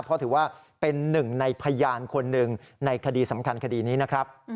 เพราะถือว่าเป็นหนึ่งในพยานคนหนึ่งในคดีสำคัญคดีนี้นะครับ